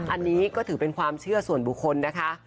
อันนี้ก็ถือเป็นความเชื่อส่วนบุคคลนะคะ